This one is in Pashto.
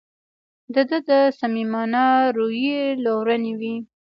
د ده د صمیمانه رویې لورونې وې.